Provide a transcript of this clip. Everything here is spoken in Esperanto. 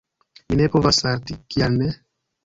Mi ne povas salti. Kial ne?